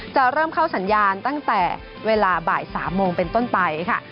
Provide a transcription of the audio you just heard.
จะเริ่มเข้าสัญญาณตั้งแต่เวลาบ่าย๓โมงเป็นต้นไปค่ะ